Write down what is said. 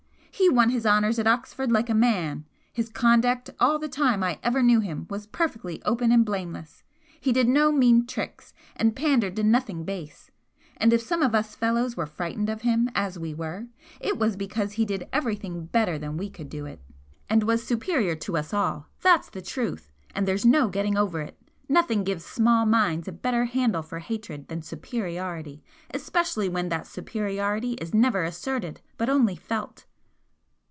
he won his honours at Oxford like a man his conduct all the time I ever knew him was perfectly open and blameless he did no mean tricks, and pandered to nothing base and if some of us fellows were frightened of him (as we were) it was because he did everything better than we could do it, and was superior to us all. That's the truth! and there's no getting over it. Nothing gives small minds a better handle for hatred than superiority especially when that superiority is never asserted, but only felt."